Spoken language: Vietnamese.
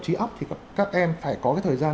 trí ốc thì các em phải có cái thời gian